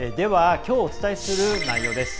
きょうお伝えする内容です。